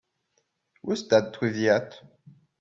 Who's that with the hat?